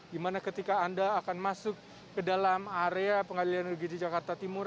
dimana ketika anda akan masuk ke dalam area pengadilan negeri jakarta timur